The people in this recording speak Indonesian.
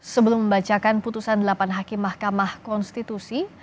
sebelum membacakan putusan delapan hakim mahkamah konstitusi